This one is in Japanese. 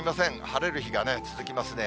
晴れる日がね、続きますね。